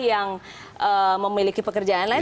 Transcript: yang memiliki pekerjaan lain